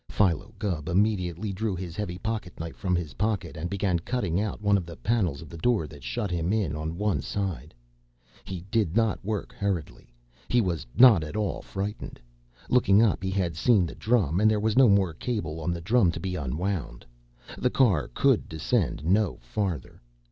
Philo Gubb immediately drew his heavy pocket knife from his pocket and began cutting out one of the panels of the door that shut him in on one side. He did not work hurriedly. He was not at all frightened. Looking up, he had seen the drum, and there was no more cable on the drum to be unwound. The car could descend no farther.